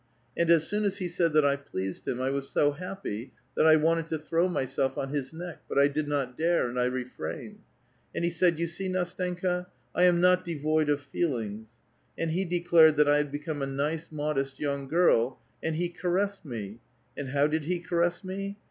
And as soon as he said that I pleased him, I was so happy that I wanted to throw myself on his neck, but I did not dare, and I refrained. And he said, * You see, Ndstenka, I am not devoid of feelings.' And he declared that I had become a nice modest vounir girl, and he caressed me; and how did he caress me?